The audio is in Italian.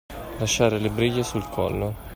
Lasciare le briglie sul collo.